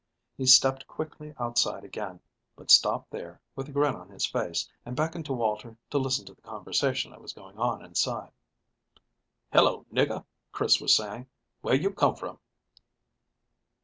He stepped quickly outside again, but stopped there, with a grin on his face, and beckoned to Walter to listen to the conversation that was going on inside. "Hello, nigger," Chris was saying. "Where you come from?"